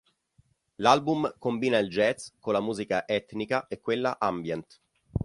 L'album combina il jazz con la musica etnica e quella ambient.